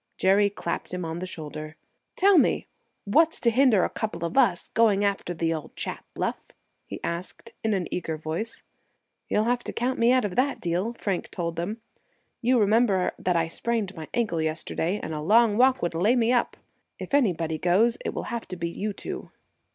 Jerry clapped him on the shoulder. "Tell me what's to hinder a couple of us going after the old chap, Bluff?" he asked, in an eager voice. "You'll have to count me out of that deal," Frank told them. "You remember that I sprained my ankle yesterday, and a long walk would lay me up. If anybody goes, it will have to be you two."